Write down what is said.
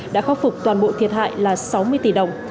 đã khắc phục toàn bộ thiệt hại là sáu mươi tỷ đồng